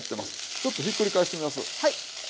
ちょっとひっくり返してみます。